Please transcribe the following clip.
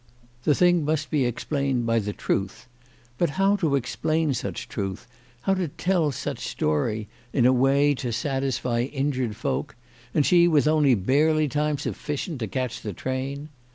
The thing must be explained by the truth ; but how to explain such truth, how to tell such story in a way to satisfy injured folk, and she with only barely time sufficient to catch the train